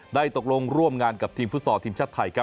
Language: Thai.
ตกลงร่วมงานกับทีมฟุตซอลทีมชาติไทยครับ